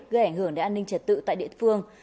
gây ảnh hưởng đến an ninh trật tự tại địa phương